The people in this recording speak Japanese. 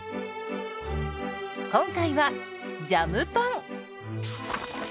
今回はジャムパン。